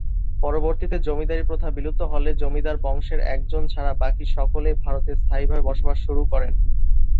পরবর্তীতে জমিদারী প্রথা বিলুপ্ত হলে জমিদার বংশের একজন ছাড়া বাকি সকলেই ভারতে স্থায়ীভাবে বসবাস শুরু করেন।